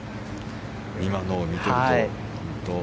今のを見ていると。